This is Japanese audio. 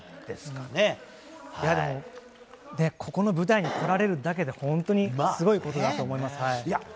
でもここの舞台に来られるだけで本当にすごいことだと思います。